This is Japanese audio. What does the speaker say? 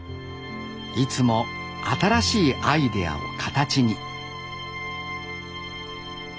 いつも新しいアイデアを形に。